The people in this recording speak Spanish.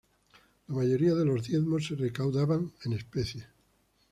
La mayoría de los diezmos se recaudaban en especie.